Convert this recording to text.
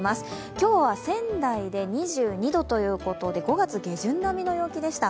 今日は仙台で２２度ということで５月下旬並みの陽気でした。